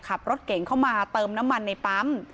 ขับรถเก่งเข้ามาเติมน้ำมันในปั๊ม